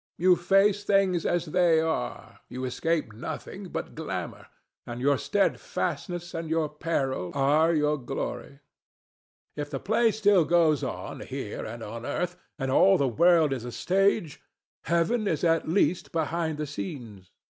You face things as they are; you escape nothing but glamor; and your steadfastness and your peril are your glory. If the play still goes on here and on earth, and all the world is a stage, Heaven is at least behind the scenes.